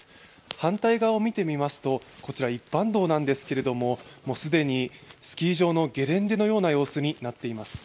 反対側を見てみますと、こちら一般道なんですけれども既にスキー場のゲレンデのような様子になっています。